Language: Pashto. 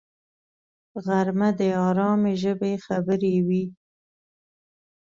غرمه د آرامي ژبې خبرې وي